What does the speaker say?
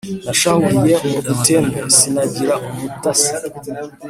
Nashahuliye mu iteme, sinagira umutasi,